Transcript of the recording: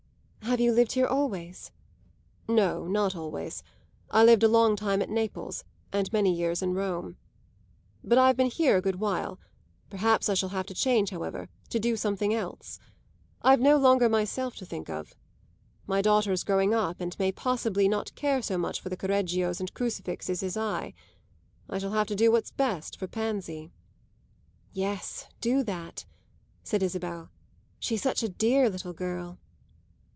"Have you lived here always?" "No, not always. I lived a long time at Naples, and many years in Rome. But I've been here a good while. Perhaps I shall have to change, however; to do something else. I've no longer myself to think of. My daughter's growing up and may very possibly not care so much for the Correggios and crucifixes as I. I shall have to do what's best for Pansy." "Yes, do that," said Isabel. "She's such a dear little girl."